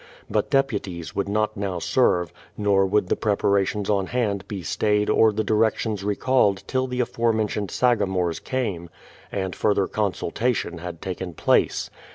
But deputies would not now serve, nor would the preparations on hand be stayed or the directions recalled till the aforementioned sagamores came, and further consultation had taken place.